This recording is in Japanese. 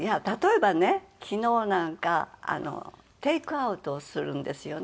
例えばね昨日なんかテイクアウトをするんですよね